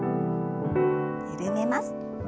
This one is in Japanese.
緩めます。